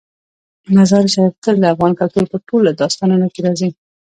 مزارشریف تل د افغان کلتور په ټولو داستانونو کې راځي.